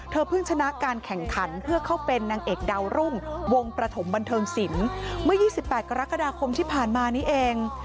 เพิ่งชนะการแข่งขันเพื่อเข้าเป็นนางเอกดาวรุ่งวงประถมบันเทิงศิลป์เมื่อ๒๘กรกฎาคมที่ผ่านมานี้เอง